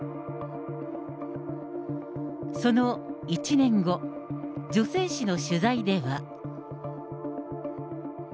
その１年後、女性誌の取材では。